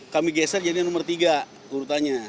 kami geser jadinya nomor tiga urutannya